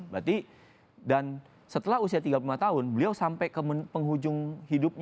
berarti dan setelah usia tiga puluh lima tahun beliau sampai ke penghujung hidupnya